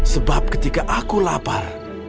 sebab ketika aku lapar